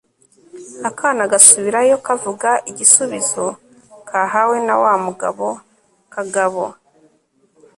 akana gasubirayo, kavuga igisubizo kahawe na wa mugabo kagabo